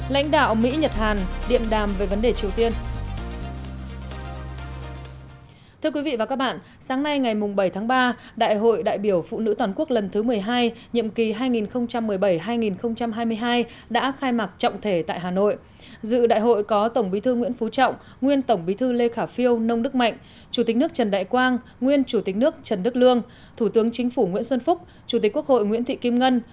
lãnh đạo mỹ nhật hàn điện đàm về vấn đề triều tiên